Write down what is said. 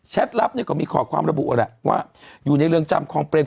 ลับนี่ก็มีขอความระบุแหละว่าอยู่ในเรือนจำคลองเปรม